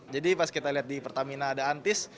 jadi pas kita lihat di pertamina ada antis